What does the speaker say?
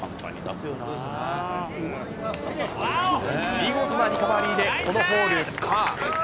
見事なリカバリーで、このホール、パー。